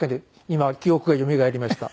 今記憶がよみがえりました。